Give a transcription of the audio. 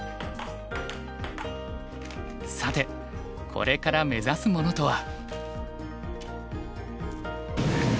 さてこれから目指すものとは。